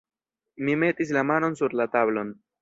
Mi metis la manon sur la tablon.